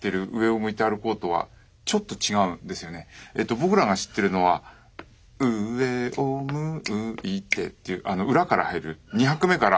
僕らが知ってるのは「うえをむいて」っていう裏から入る２拍目から。